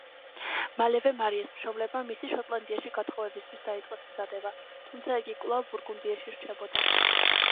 მალევე მარიას მშობლებმა მისი შოტლანდიაში გათხოვებისთვის დაიწყეს მზადება, თუმცა იგი კვლავ ბურგუნდიაში რჩებოდა.